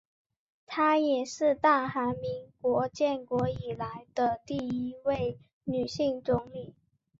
她也是大韩民国建国以来的第一位女性总理。